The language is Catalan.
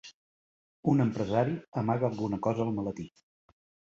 Un empresari amaga alguna cosa al maletí.